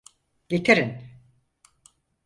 Getirin!